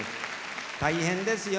大変ですよ